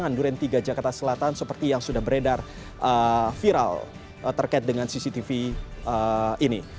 di duren tiga jakarta selatan seperti yang sudah beredar viral terkait dengan cctv ini